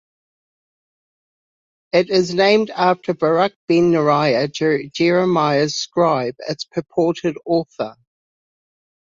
It is named after Baruch ben Neriah, Jeremiah's scribe, its purported author.